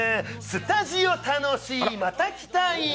スタジオ楽しいまた来たい。